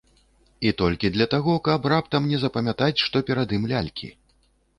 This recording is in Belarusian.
І толькі для таго, каб раптам не запамятаць, што перад ім лялькі.